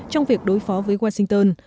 trong việc đối phó với washington